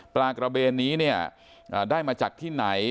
ปลากระเบนนี้เนี่ยได้มาจากที่ไหน